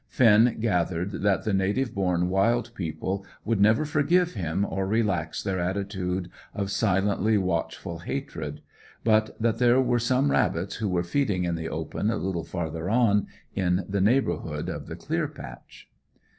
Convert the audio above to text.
Finn gathered that the native born wild people would never forgive him or relax their attitude of silently watchful hatred; but that there were some rabbits who were feeding in the open a little farther on, in the neighbourhood of the clear patch.